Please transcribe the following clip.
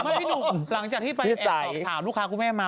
พี่หนุ่มหลังจากที่ไปถามลูกค้าคุณแม่มา